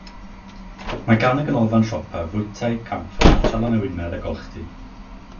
Mae gan y ganolfan siopa fwytai, campfa, salon ewinedd a golchdy.